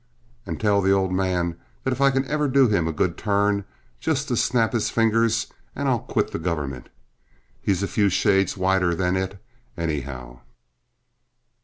And tell the old man that if I can ever do him a good turn just to snap his fingers and I'll quit the government he's a few shades whiter than it, anyhow."